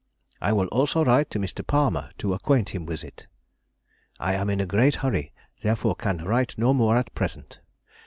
I will also write to Mr. Palmer to acquaint him with it. I am in a great hurry, therefore can write no more at present.